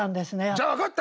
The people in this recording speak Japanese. じゃあ分かった！